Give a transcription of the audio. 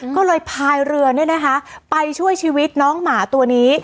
ก็เลยพายเรือไปช่วยชีวิตน้องหมาตัวนี้